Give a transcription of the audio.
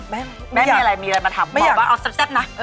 แม่มีอะไรมีอะไรมาทำบอกว่าเอาแซ่บนะ